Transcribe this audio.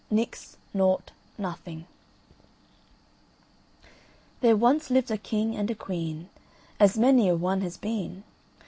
NIX NOUGHT NOTHING There once lived a king and a queen as many a one has been.